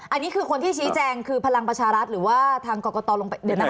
อันนี้คือคนที่ชี้แจงคือพลังประชารัฐหรือว่าทางกรกตรลงไป